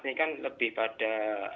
ini kan lebih pada